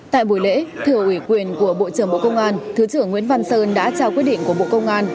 tại buổi lễ thưa ủy quyền của bộ trưởng bộ công an thứ trưởng nguyễn văn sơn đã trao quyết định của bộ công an